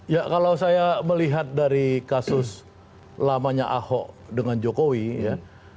ya kalau saya melihat dari kasus lamanya ahok dengan jokowi ya